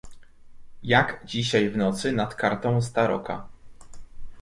"jak dzisiaj w nocy nad kartą z taroka."